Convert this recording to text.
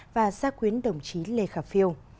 và giác quyến đồng chí lê khả phiêu